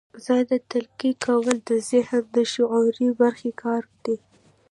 ځان ته تلقين کول د ذهن د شعوري برخې کار دی.